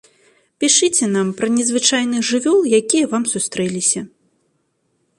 Пішыце нам пра незвычайных жывёл, якія вам сустрэліся.